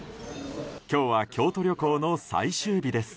今日は京都旅行の最終日です。